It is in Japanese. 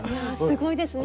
すごいですね。